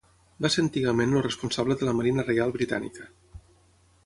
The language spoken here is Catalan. Va ser antigament el responsable de la Marina Reial Britànica.